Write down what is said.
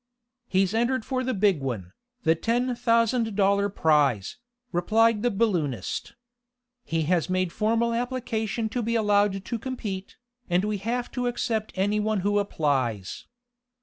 "He's entered for the big one, the ten thousand dollar prize," replied the balloonist. "He has made formal application to be allowed to compete, and we have to accept any one who applies.